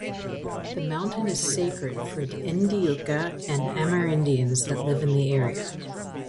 The mountain is sacred for the Ndyuka and Amerindians that live in the area.